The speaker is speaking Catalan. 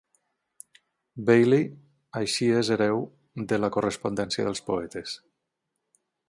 Bailey així és hereu de la correspondència pels poetes.